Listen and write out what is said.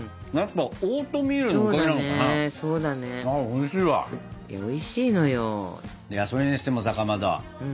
いやそれにしてもさかまど。